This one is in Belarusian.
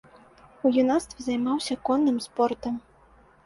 У юнацтве займаўся конным спортам.